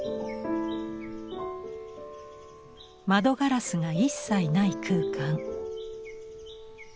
窓ガラスが一切ない空間。